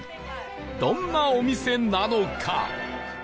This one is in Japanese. どんなお店なのか？